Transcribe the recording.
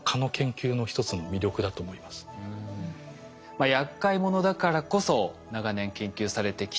まあやっかい者だからこそ長年研究されてきた蚊。